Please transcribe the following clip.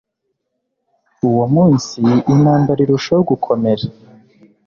uwo munsi intambara irushaho gukomera